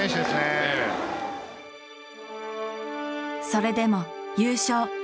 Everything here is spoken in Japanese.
それでも優勝。